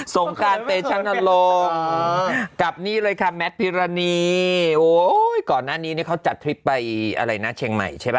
ส่งการเตชะนรงค์กับนี่เลยค่ะแมทพิรณีโอ้ยก่อนหน้านี้เขาจัดทริปไปอะไรนะเชียงใหม่ใช่ป